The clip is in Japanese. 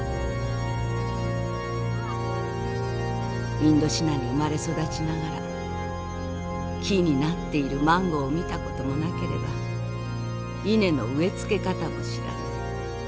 「インドシナに生まれ育ちながら木になっているマンゴーを見た事もなければ稲の植え付け方も知らない。